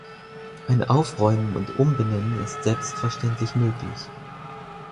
Ein Aufräumen und Umbenennen ist selbstverständlich möglich.